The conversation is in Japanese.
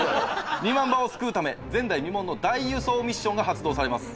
２万羽を救うため前代未聞の大輸送ミッションが発動されます。